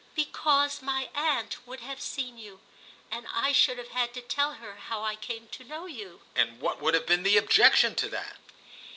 "Because my aunt would have seen you, and I should have had to tell her how I came to know you." "And what would have been the objection to that?"